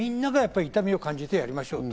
みんなが痛みを感じてやりましょうと。